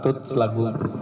terima kasih pak kuntadi